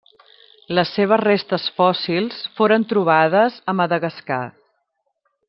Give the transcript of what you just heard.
Les seves restes fòssils foren trobades a Madagascar.